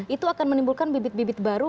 itu akan menimbulkan bibit bibit baru